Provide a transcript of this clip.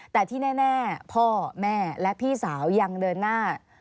แต่ที่แน่พ่อแม่และพี่สาวยังเดินหน้า